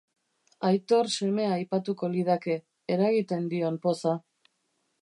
Aitor semea aipatuko lidake, eragiten dion poza.